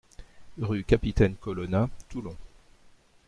Rue Capitaine Colonna, Toulon